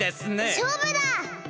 しょうぶだ！